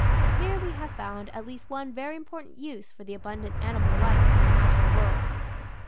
Here we have found at least one very important use for the abundant animal life in the natural world.